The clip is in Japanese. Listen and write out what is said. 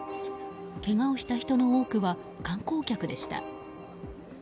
けがをした人の多くは観光客でした。